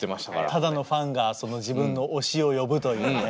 ただのファンが自分の推しを呼ぶというね。